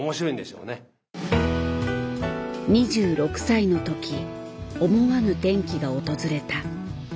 ２６歳の時思わぬ転機が訪れた。